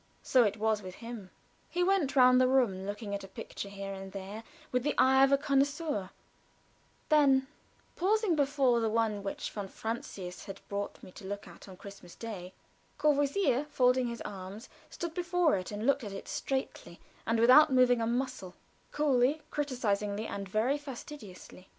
So it was with him. He went round the room, looking at a picture here and there with the eye of a connoisseur then pausing before the one which von Francius had brought me to look at on Christmas day, Courvoisier, folding his arms, stood before it and surveyed it, straightly, and without moving a muscle; coolly, criticisingly and very fastidiously.